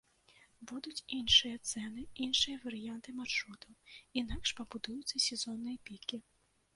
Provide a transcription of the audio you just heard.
Будуць іншыя цэны, іншыя варыянты маршрутаў, інакш пабудуюцца сезонныя пікі.